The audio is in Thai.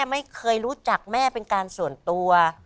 ไม่เคยรู้จักแม่เป็นการส่วนตัว